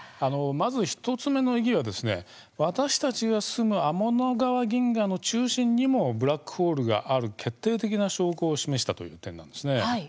まず１つ目の意義は私たちが住む天の川銀河の中心にもブラックホールがある決定的な証拠を示したという点なんです。